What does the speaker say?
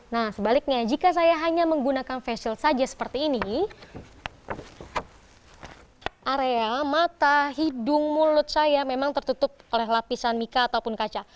nah sebaliknya jika saya hanya menggunakan face shield saja seperti ini area mata hidung mulut saya memang tertutup oleh lapisan mika ataupun kaca